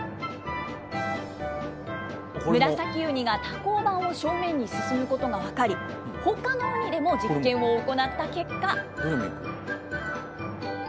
ムラサキウニが多孔板を正面に進むことが分かり、ほかのウニでも実験を行った結果。